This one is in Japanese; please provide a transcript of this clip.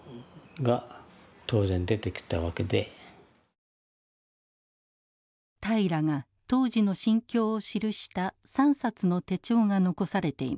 平良が当時の心境を記した３冊の手帳が残されています。